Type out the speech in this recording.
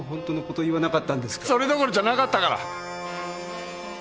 それどころじゃなかったから！